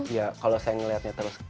ya kalau saya melihatnya terus